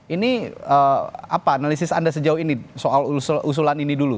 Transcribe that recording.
ini apa analisis anda sejauh ini soal usulan ini dulu